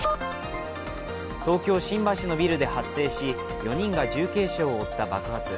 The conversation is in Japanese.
東京・新橋のビルで発生し４人が重軽傷を負った爆発。